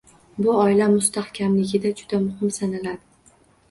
Bu, oila mustahkamligida juda muhim sanaladi.